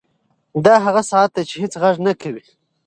دا هغه ساعت دی چې هېڅ غږ نه کوي.